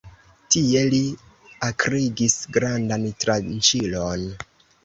Tie li akrigis grandan tranĉilon.